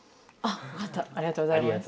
ありがとうございます。